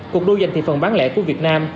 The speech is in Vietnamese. cuộc đua giành thị phần bán lẻ của việt nam